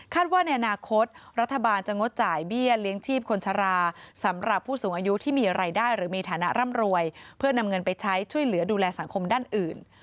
ว่าในอนาคตรัฐบาลจะงดจ่ายเบี้ยเลี้ยงชีพคนชะลาสำหรับผู้สูงอายุที่มีรายได้หรือมีฐานะร่ำรวยเพื่อนำเงินไปใช้ช่วยเหลือดูแลสังคมด้านอื่น